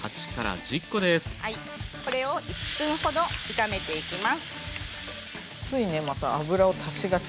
これを１分ほど炒めていきます。